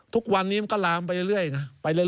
ทุกวันนี้มันก็ลามไปเรื่อยนะ